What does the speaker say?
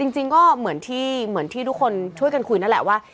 จริงก็เหมือนที่ทุกคนช่วยกันคุยนั่นแหละว่า